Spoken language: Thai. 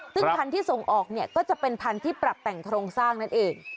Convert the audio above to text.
ซึ่งพันธุ์ที่ส่งออกเนี่ยก็จะเป็นพันธุ์ที่ปรับแต่งโครงสร้างนั่นเอง